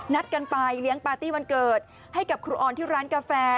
นัดกันไปเลี้ยงปาร์ตี้วันเกิดให้กับครูออนที่ร้านกาแฟ